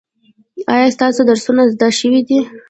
ایا ستاسو درسونه زده شوي دي؟